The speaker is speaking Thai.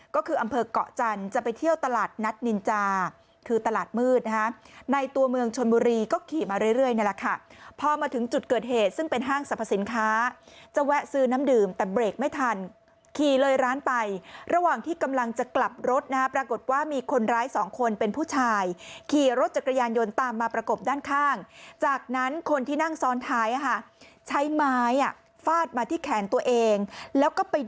ก็คืออำเภอกเกาะจันทร์จะไปเที่ยวตลาดนัดนินจาคือตลาดมืดนะฮะในตัวเมืองชนบุรีก็ขี่มาเรื่อยนี่แหละค่ะพอมาถึงจุดเกิดเหตุซึ่งเป็นห้างสรรพสินค้าจะแวะซื้อน้ำดื่มแต่เบรกไม่ทันขี่เลยร้านไประหว่างที่กำลังจะกลับรถนะปรากฏว่ามีคนร้ายสองคนเป็นผู้ชายขี่รถจักรยานยนต์ตามมาประกบด้านข